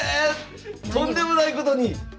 とんでもないことに！